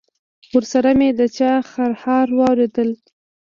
ورسره مې د چا خرهار واورېدل.